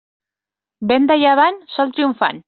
Vent de llevant, sol triomfant.